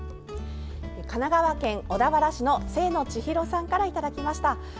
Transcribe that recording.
神奈川県小田原市の清野千尋さんからいただきました。